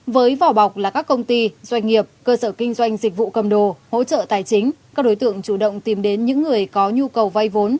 với vỏ bọc là các công ty doanh nghiệp cơ sở kinh doanh dịch vụ cầm đồ hỗ trợ tài chính các đối tượng chủ động tìm đến những người có nhu cầu vay vốn